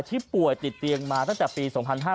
ป่วยติดเตียงมาตั้งแต่ปี๒๕๕๙